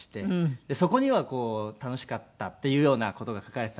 そこには「楽しかった」っていうような事が書かれていたりとか。